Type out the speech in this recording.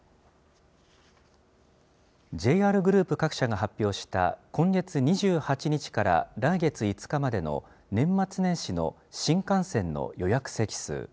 ＪＲグループ各社が発表した、今月２８日から来月５日までの、年末年始の新幹線の予約席数。